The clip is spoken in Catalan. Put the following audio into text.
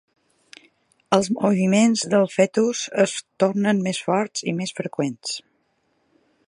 Els moviments del fetus es tornen més forts i més freqüents.